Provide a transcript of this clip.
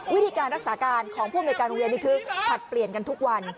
วิธีการรักษาการของผู้อำนวยการโรงเรียนนี่คือผลัดเปลี่ยนกันทุกวัน